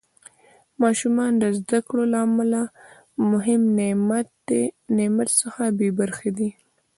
ماشومان د زده کړو له دې مهم نعمت څخه بې برخې دي.